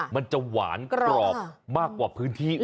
มันจะหวานกรอบมากกว่าพื้นที่